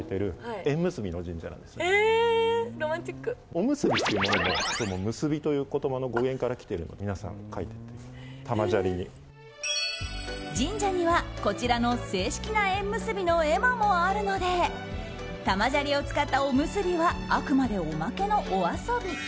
おむすびっていうものは結びという言葉の語源から来ているので皆さん書いてる神社にはこちらの正式な縁結びの絵馬もあるので玉砂利を使ったおむすびはあくまで、おまけのお遊び。